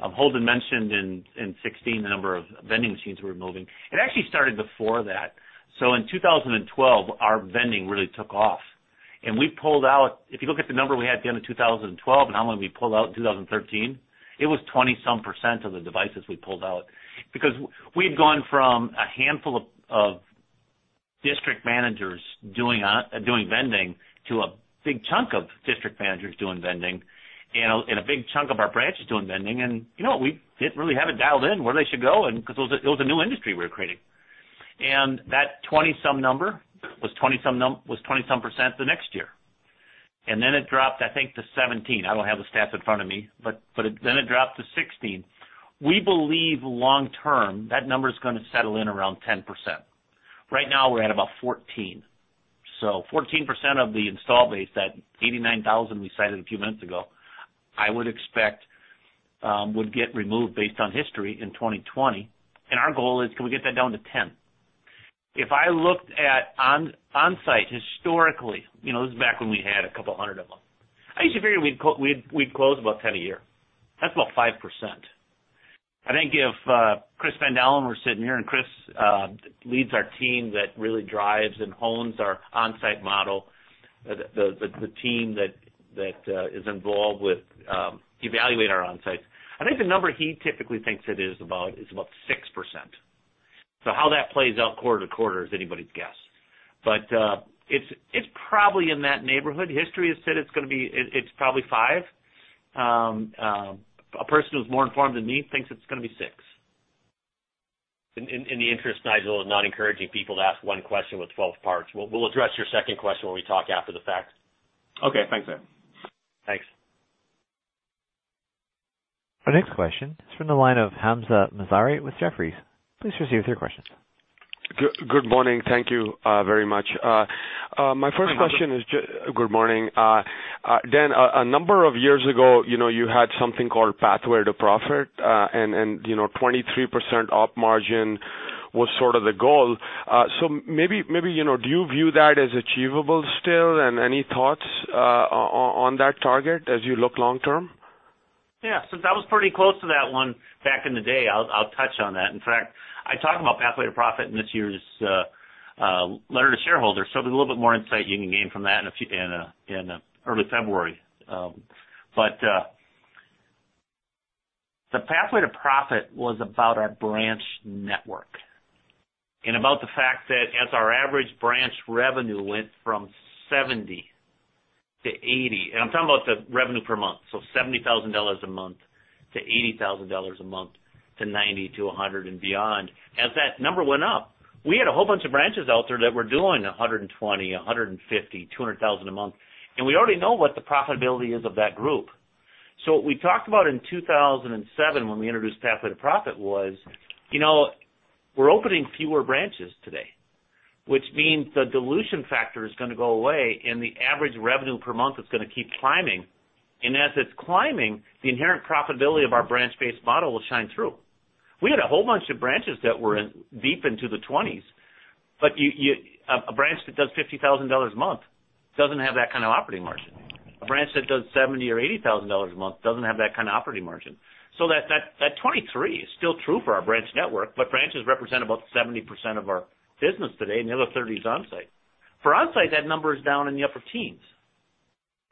Holden mentioned in 2016 the number of vending machines we were moving. It actually started before that. In 2012, our vending really took off. We pulled out, if you look at the number we had at the end of 2012 and how many we pulled out in 2013, it was 20-some% of the devices we pulled out. Because we had gone from a handful of district managers doing vending to a big chunk of district managers doing vending, and a big chunk of our branch is doing vending, and we didn't really have it dialed in where they should go because it was a new industry we were creating. That 20-some number was 20-some% the next year. Then it dropped, I think to 17. I don't have the stats in front of me, but then it dropped to 16. We believe long-term, that number's going to settle in around 10%. Right now, we're at about 14. 14% of the install base, that 89,000 we cited a few minutes ago, I would expect would get removed based on history in 2020, and our goal is can we get that down to 10? If I looked at on-site historically, this is back when we had a couple of hundred of them. I used to figure we'd close about 10 a year. That's about 5%. I think if Kris Van Dalen were sitting here, Kris leads our team that really drives and hones our on-site model, the team that is involved with evaluating our on-sites. I think the number he typically thinks it is about is about 6%. How that plays out quarter-to-quarter is anybody's guess. It's probably in that neighborhood. History has said it's probably five. A person who's more informed than me thinks it's going to be six. In the interest, Nigel, of not encouraging people to ask one question with 12 parts, we'll address your second question when we talk after the fact. Okay. Thanks, Dan. Thanks. Our next question is from the line of Hamzah Mazari with Jefferies. Please proceed with your question. Good morning. Thank you very much. Good morning. Good morning. Dan, a number of years ago, you had something called Pathway to Profit, and 23% op margin was sort of the goal. Maybe do you view that as achievable still? Any thoughts on that target as you look long term? Yeah. That was pretty close to that one back in the day. I'll touch on that. In fact, I talk about Pathway to Profit in this year's letter to shareholders. There's a little bit more insight you can gain from that in early February. The Pathway to Profit was about our branch network and about the fact that as our average branch revenue went from 70 to 80, and I'm talking about the revenue per month, so $70,000 a month to $80,000 a month to 90 to 100 and beyond. As that number went up, we had a whole bunch of branches out there that were doing 120, 150, $200,000 a month, and we already know what the profitability is of that group. What we talked about in 2007 when we introduced Pathway to Profit was, we're opening fewer branches today, which means the dilution factor is going to go away, and the average revenue per month is going to keep climbing. As it's climbing, the inherent profitability of our branch-based model will shine through. We had a whole bunch of branches that were deep into the 20s. A branch that does $50,000 a month doesn't have that kind of operating margin. A branch that does 70 or $80,000 a month doesn't have that kind of operating margin. That 23 is still true for our branch network, branches represent about 70% of our business today, and the other 30 is on-site. For on-site, that number is down in the upper teens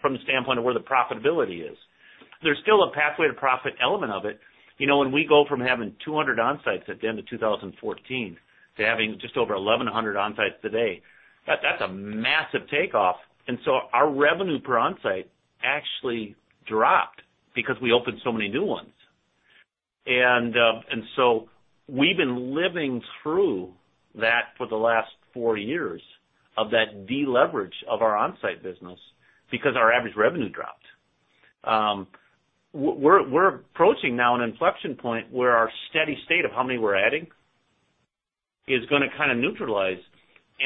from the standpoint of where the profitability is. There's still a Pathway to Profit element of it. When we go from having 200 on-sites at the end of 2014 to having just over 1,100 on-sites today, that's a massive takeoff. Our revenue per on-site actually dropped because we opened so many new ones. We've been living through that for the last four years of that de-leverage of our on-site business because our average revenue dropped. We're approaching now an inflection point where our steady state of how many we're adding is going to kind of neutralize.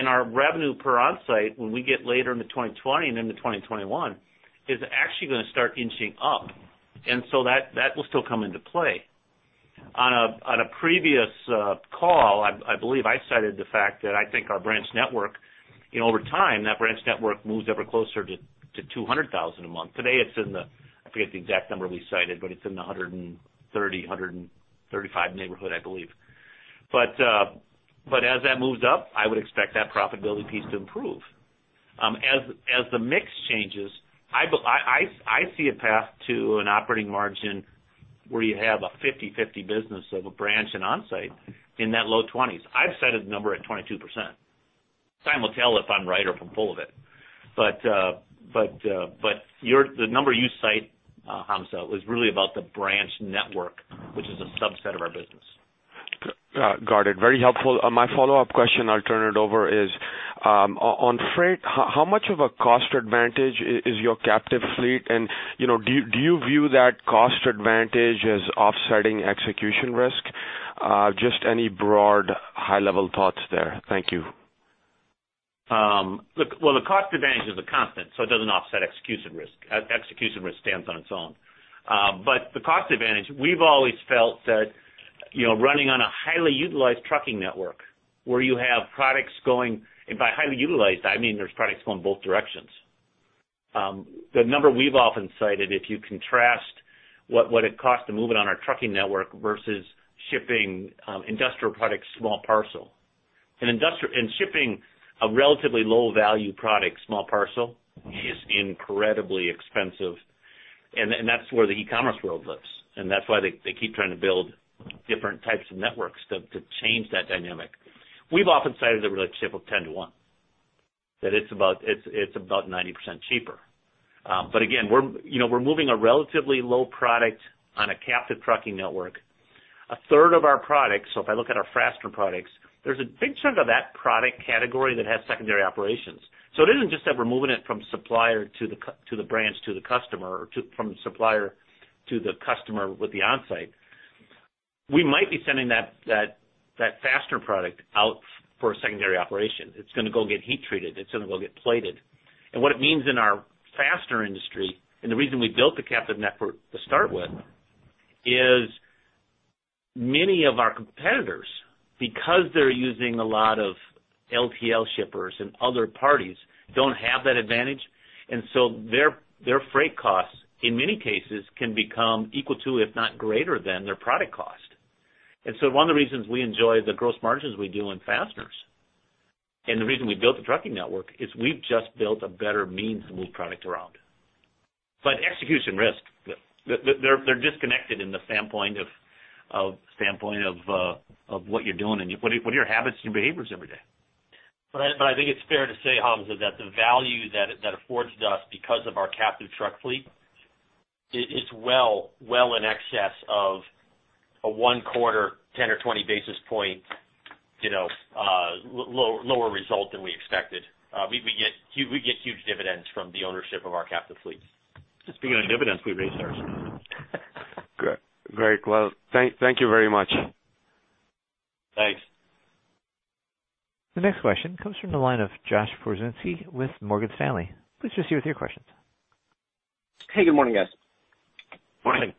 Our revenue per on-site, when we get later into 2020 and into 2021, is actually going to start inching up, and so that will still come into play. On a previous call, I believe I cited the fact that I think our branch network. Over time, that branch network moves ever closer to 200,000 a month. Today it's in the, I forget the exact number we cited, but it's in the 130,000, 135,000 neighborhood, I believe. As that moves up, I would expect that profitability piece to improve. As the mix changes, I see a path to an operating margin where you have a 50/50 business of a branch and onsite in that low 20s. I've cited the number at 22%. Time will tell if I'm right or if I'm full of it. The number you cite, Hamzah, was really about the branch network, which is a subset of our business. Got it. Very helpful. My follow-up question, I'll turn it over, is on freight, how much of a cost advantage is your captive fleet? Do you view that cost advantage as offsetting execution risk? Just any broad high-level thoughts there. Thank you. Look, well, the cost advantage is a constant, so it doesn't offset execution risk. Execution risk stands on its own. The cost advantage, we've always felt that running on a highly utilized trucking network, where you have products going, and by highly utilized, I mean there's products going both directions. The number we've often cited, if you contrast what would it cost to move it on our trucking network versus shipping industrial products small parcel. Shipping a relatively low-value product small parcel is incredibly expensive, and that's where the e-commerce world lives. That's why they keep trying to build different types of networks to change that dynamic. We've often cited the relationship of 10 to one, that it's about 90% cheaper. Again, we're moving a relatively low product on a captive trucking network. A third of our products, if I look at our fastener products, there's a big chunk of that product category that has secondary operations. It isn't just that we're moving it from supplier to the branch, to the customer, or from the supplier to the customer with the onsite. We might be sending that fastener product out for a secondary operation. It's going to go get heat treated. It's going to go get plated. What it means in our fastener industry, and the reason we built the captive network to start with is many of our competitors, because they're using a lot of LTL shippers and other parties, don't have that advantage. Their freight costs, in many cases, can become equal to, if not greater than their product cost. One of the reasons we enjoy the gross margins we do on fasteners, and the reason we built the trucking network is we've just built a better means to move product around. Execution risk, they're disconnected in the standpoint of what you're doing and what are your habits and behaviors every day. I think it's fair to say, Hamzah, that the value that affords us because of our captive truck fleet is well in excess of a one-quarter, 10 or 20 basis point lower result than we expected. We get huge dividends from the ownership of our captive fleets. Speaking of dividends, we raised ours. Great. Thank you very much. Thanks. The next question comes from the line of Josh Pokrzywinski with Morgan Stanley. Please proceed with your questions. Hey, good morning, guys. Morning.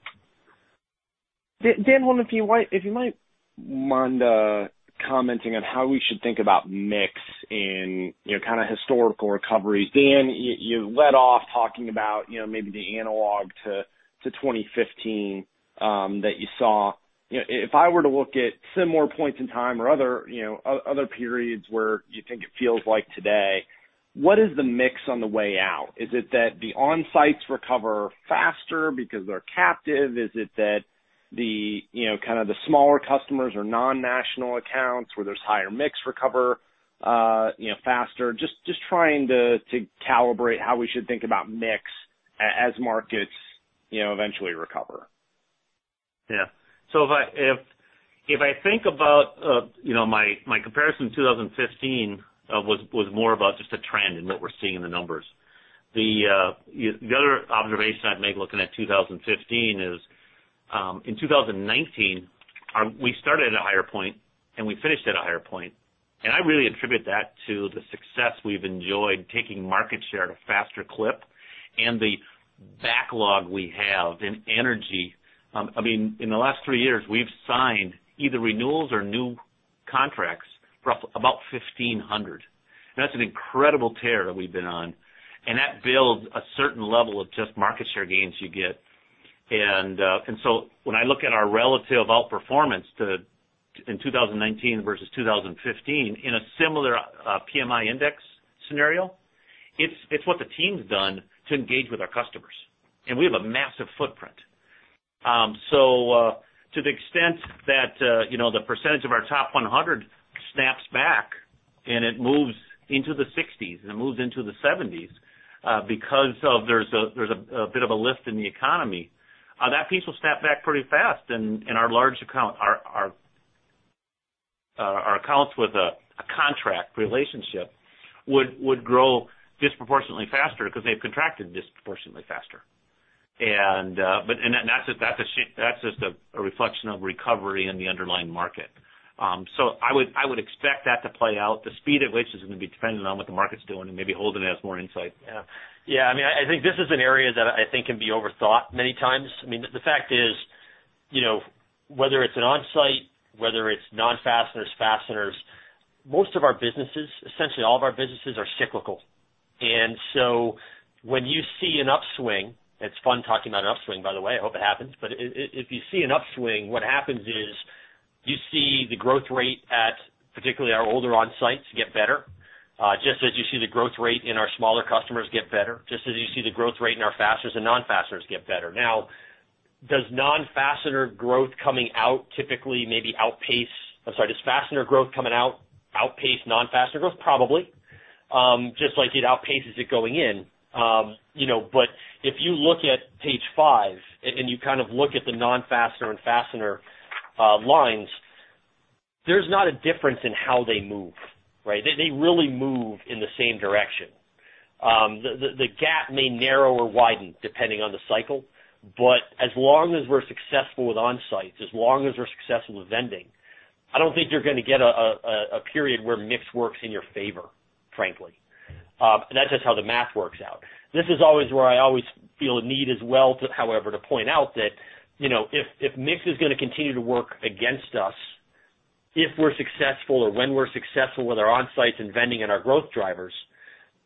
Dan, I wonder if you might mind commenting on how we should think about mix in historical recoveries. Dan, you led off talking about maybe the analog to 2015 that you saw. If I were to look at similar points in time or other periods where you think it feels like today, what is the mix on the way out? Is it that the onsites recover faster because they're captive? Is it that the smaller customers or non-national accounts where there's higher mix recover faster? Just trying to calibrate how we should think about mix as markets eventually recover. If I think about my comparison to 2015 was more about just a trend in what we're seeing in the numbers. The other observation I'd make looking at 2015 is, in 2019, we started at a higher point and we finished at a higher point, and I really attribute that to the success we've enjoyed taking market share at a faster clip and the backlog we have in energy. In the last three years, we've signed either renewals or new contracts, roughly about 1,500. That's an incredible tear that we've been on, and that builds a certain level of just market share gains you get. When I look at our relative outperformance in 2019 versus 2015 in a similar PMI index scenario, it's what the team's done to engage with our customers. We have a massive footprint. To the extent that the percentage of our top 100 snaps back and it moves into the 60s and it moves into the 70s because there's a bit of a lift in the economy, that piece will snap back pretty fast and our accounts with a contract relationship would grow disproportionately faster because they've contracted disproportionately faster. That's just a reflection of recovery in the underlying market. I would expect that to play out. The speed at which is going to be dependent on what the market's doing, and maybe Holden has more insight. Yeah. I think this is an area that I think can be overthought many times. The fact is, whether it's an on-site, whether it's non-fasteners, fasteners, most of our businesses, essentially all of our businesses are cyclical. When you see an upswing, it's fun talking about an upswing, by the way, I hope it happens. If you see an upswing, what happens is you see the growth rate at particularly our older on-sites get better, just as you see the growth rate in our smaller customers get better, just as you see the growth rate in our fasteners and non-fasteners get better. Now, does fastener growth coming outpace non-fastener growth? Probably. Just like it outpaces it going in. If you look at page five and you look at the non-fastener and fastener lines, there's not a difference in how they move, right? They really move in the same direction. The gap may narrow or widen depending on the cycle, but as long as we're successful with on-sites, as long as we're successful with vending, I don't think you're going to get a period where mix works in your favor, frankly. That's just how the math works out. This is always where I always feel a need as well, however, to point out that, if mix is going to continue to work against us, if we're successful or when we're successful with our on-sites and vending and our growth drivers,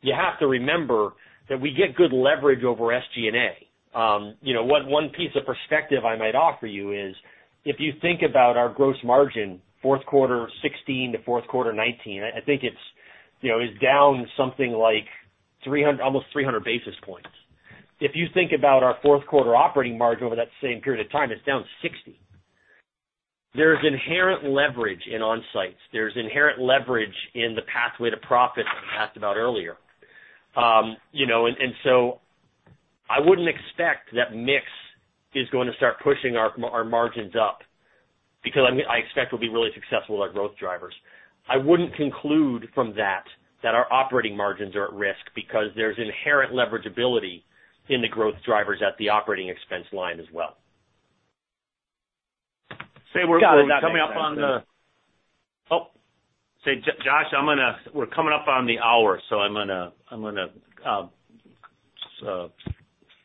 you have to remember that we get good leverage over SG&A. One piece of perspective I might offer you is if you think about our gross margin, fourth quarter 2016 to fourth quarter 2019, I think it's down something like almost 300 basis points. If you think about our fourth quarter operating margin over that same period of time, it's down 60. There's inherent leverage in on-sites. There's inherent leverage in the Pathway to Profit that you asked about earlier. I wouldn't expect that mix is going to start pushing our margins up because I expect we'll be really successful with our growth drivers. I wouldn't conclude from that our operating margins are at risk because there's inherent leverageability in the growth drivers at the operating expense line as well. Josh, we're coming up on the hour, I'm going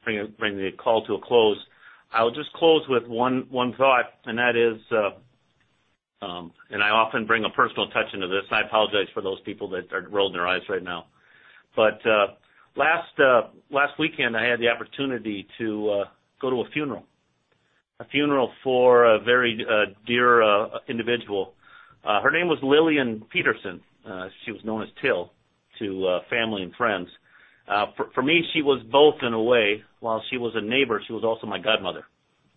to bring the call to a close. I'll just close with one thought, that is, I often bring a personal touch into this, I apologize for those people that are rolling their eyes right now. Last weekend, I had the opportunity to go to a funeral. A funeral for a very dear individual. Her name was Lillian Peterson. She was known as Till to family and friends. For me, she was both in a way, while she was a neighbor, she was also my godmother,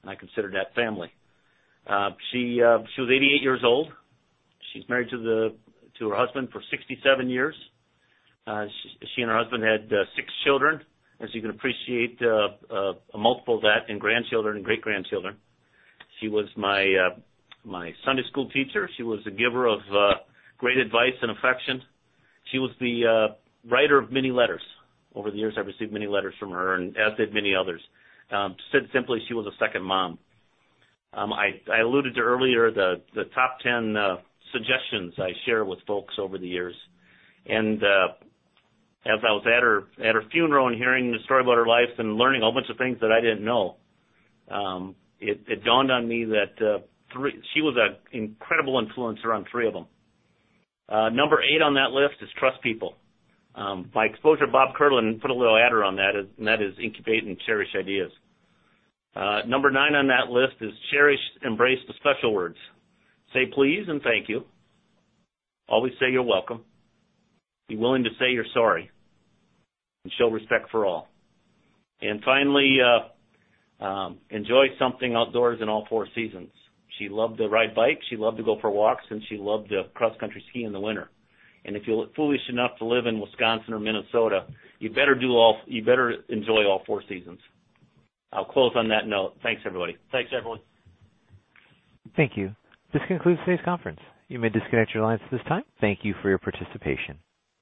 I consider that family. She was 88 years old. She's married to her husband for 67 years. She and her husband had six children, as you can appreciate, a multiple of that in grandchildren and great-grandchildren. She was my Sunday school teacher. She was a giver of great advice and affection. She was the writer of many letters. Over the years, I've received many letters from her, as did many others. To say it simply, she was a second mom. I alluded to earlier the top 10 suggestions I share with folks over the years. As I was at her funeral and hearing the story about her life and learning a whole bunch of things that I didn't know, it dawned on me that she was an incredible influence around three of them. Number 8 on that list is trust people. My exposure to Bob Kierlin put a little adder on that, and that is incubate and cherish ideas. Number 9 on that list is cherish, embrace the special words. Say please and thank you. Always say you're welcome. Be willing to say you're sorry, and show respect for all. Finally, enjoy something outdoors in all four seasons. She loved to ride bikes, she loved to go for walks, and she loved to cross-country ski in the winter. If you're foolish enough to live in Wisconsin or Minnesota, you better enjoy all four seasons. I'll close on that note. Thanks, everybody. Thanks, everyone. Thank you. This concludes today's conference. You may disconnect your lines at this time. Thank you for your participation.